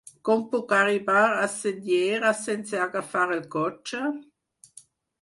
Com puc arribar a Senyera sense agafar el cotxe?